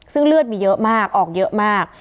ซึ่งเลือดมีเยอะมากออกเยอะมาก